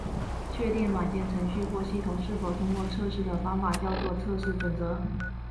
确定软件程序或系统是否通过测试的方法叫做测试准则。